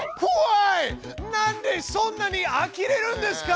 なんでそんなにあきれるんですか！